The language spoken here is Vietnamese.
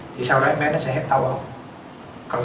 thì sau đó bé sẽ hết tàu không